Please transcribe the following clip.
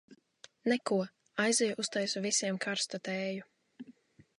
Neko, aizeju uztaisu visiem karstu tēju.